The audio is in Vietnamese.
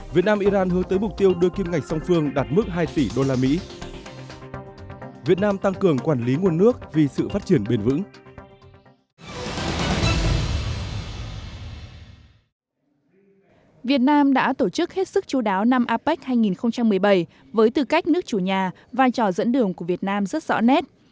việt nam đã tổ chức hết sức chú đáo năm apec hai nghìn một mươi bảy với tư cách nước chủ nhà vai trò dẫn đường của việt nam rất rõ nét